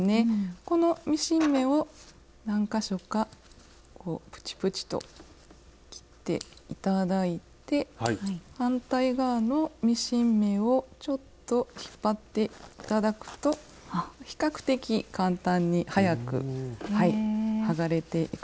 このミシン目を何か所かこうプチプチと切って頂いて反対側のミシン目をちょっと引っ張って頂くと比較的簡単に早く剥がれていくと思いますので。